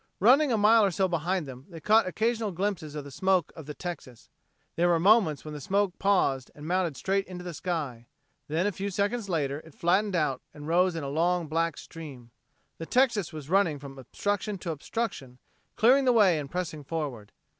Running a mile or so behind them, they caught occasional glimpses of the smoke of the Texas. There were moments when the smoke paused and mounted straight into the sky; then a few seconds later it flattened out and rose in a long black stream. The Texas was running from obstruction to obstruction, clearing the way and pressing forward.